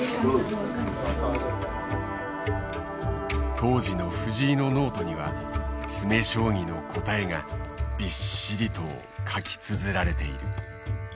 当時の藤井のノートには詰将棋の答えがびっしりと書きつづられている。